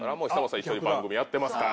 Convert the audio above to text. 一緒に番組やってますから。